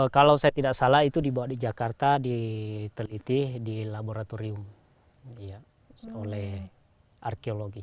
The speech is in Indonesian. kalau saya tidak salah itu dibawa di jakarta diteliti di laboratorium oleh arkeologi